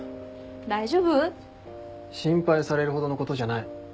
大丈夫？心配されるほどのことじゃない。